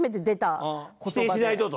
「否定しないと」と。